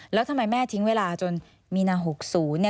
แล้วทำไมแม่ทิ้งเวลาจนมีนา๖๐เนี่ย